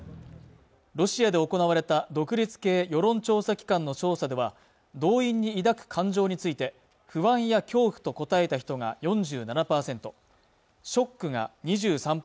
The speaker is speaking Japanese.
ロシアで行われた独立系世論調査機関の調査では動員に抱く感情について不安や恐怖と答えた人が４７％ショックが２３％